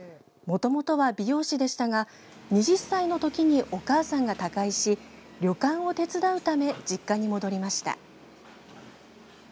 もともとは美容師でしたが２０歳のときにお母さんが他界し旅館を手伝うため実家に戻りました。